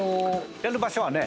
やる場所はね